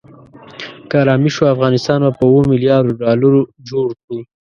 که آرامي شوه افغانستان به په اوو ملیاردو ډالرو جوړ کړو.